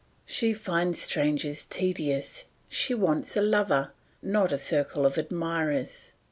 She finds strangers tedious, she wants a lover, not a circle of admirers.